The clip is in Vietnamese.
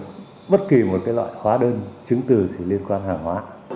chúng tôi không có thể xuất trình được bất kỳ một loại khóa đơn chứng từ liên quan hàng hóa